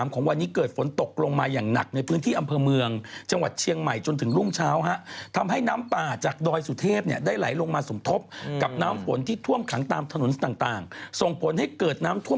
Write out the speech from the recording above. ขาดดอกบัวและทูบเทียดเวลาหาก่อนเข้ารายการเธอต้องว่ายเธอแล้ว